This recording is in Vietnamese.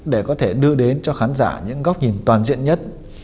để có thể đưa đến cho khán giả những góc nhìn toàn diện nhất